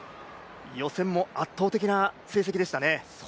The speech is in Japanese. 予選も圧倒的な成績でしたね。